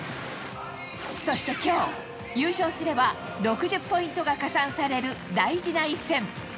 そしてきょう、優勝すれば６０ポイントが加算される大事な一戦。